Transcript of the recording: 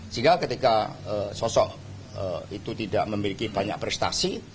sehingga ketika sosok itu tidak memiliki banyak prestasi